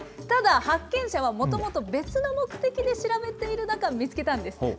ただ発見者は、もともと別の目的で調べている中、見つけたんです。